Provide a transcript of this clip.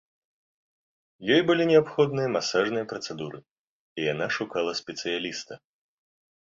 Ёй былі неабходныя масажныя працэдуры і яна шукала спецыяліста.